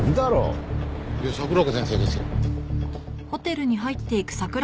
いや桜子先生ですよ。